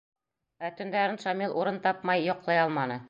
Ә төндәрен Шамил урын тапмай, йоҡлай алманы.